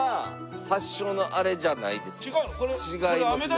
違いますね。